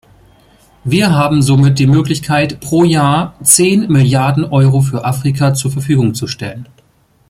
Wir haben somit die Möglichkeit, pro Jahr zehn Milliarden Euro für Afrika zur Verfügung zu stellen.